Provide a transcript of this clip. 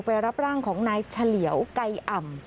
รับร่างของนายเฉลียวไก่อ่ำ